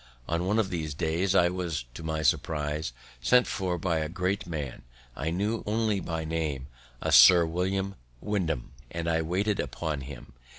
On one of these days, I was, to my surprise, sent for by a great man I knew only by name, a Sir William Wyndham, and I waited upon him.